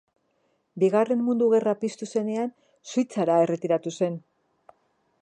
Bigarren Mundu Gerra piztu zenean, Suitzara erretiratu zen.